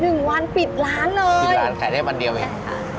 หนึ่งวันปิดร้านเลยจริงค่ะปิดร้านขายได้มันเดียวเอง